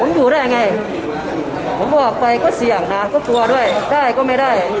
ผมอยู่ได้ยังไงผมบอกไปก็เสี่ยงนะก็กลัวด้วยได้ก็ไม่ได้